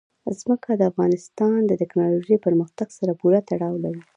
ځمکه د افغانستان د تکنالوژۍ پرمختګ سره پوره تړاو لري.